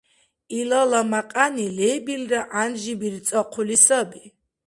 Илала мякьяни лебилра гӀянжи бирцӀахъули саби.